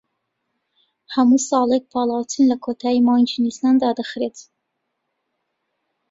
هەموو ساڵێک پاڵاوتن لە کۆتایی مانگی نیسان دادەخرێت